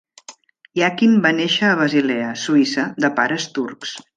Yakin va néixer a Basilea, Suïssa, de pares turcs.